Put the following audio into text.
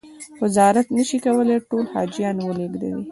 وزارت نه شي کولای ټول حاجیان و لېږدوي.